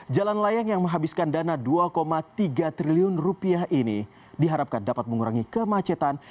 jalan layang yang menghabiskan dana dua tiga triliun rupiah ini diharapkan dapat mengurangi kemacetan